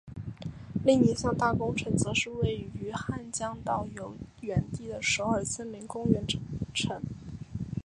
另一项大工程则是位于汉江纛岛游园地的首尔森林公园工程。